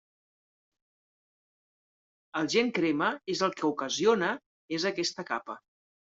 El gen crema és el que ocasiona és aquesta capa.